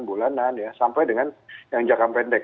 bulanan ya sampai dengan yang jangka pendek